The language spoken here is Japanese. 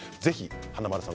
華丸さん